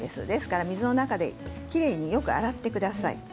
ですから水の中できれいに洗ってください。